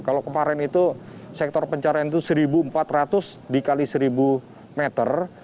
kalau kemarin itu sektor pencarian itu seribu empat ratus dikali seribu meter